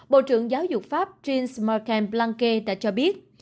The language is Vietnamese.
bộ trưởng giáo dục pháp jean marc blanquet đã cho biết